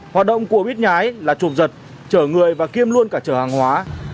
hoạt động của buýt nhái là trộm giật chở người và kiêm luôn cả chở hàng hóa